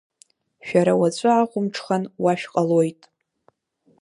Шәара уаҵәы ахәымҽхан уа шәҟалоит.